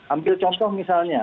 ambil contoh misalnya